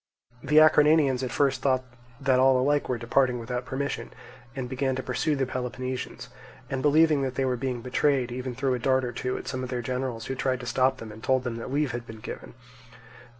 The Acarnanians at first thought that all alike were departing without permission, and began to pursue the Peloponnesians; and believing that they were being betrayed, even threw a dart or two at some of their generals who tried to stop them and told them that leave had been given.